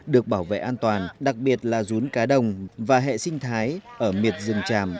được bảo vệ an toàn đặc biệt là rún cá đồng và hệ sinh thái ở miệt rừng tràm